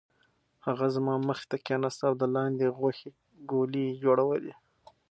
هغه زما مخې ته کېناست او د لاندي غوښې ګولې یې جوړولې.